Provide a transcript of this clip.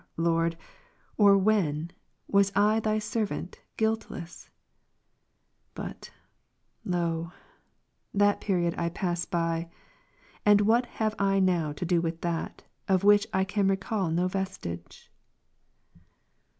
Lord, or when, was I Thy servant guiltless ? But, lo ! that period I pass by ; and what have I now to do with that, of which I can recal no vestige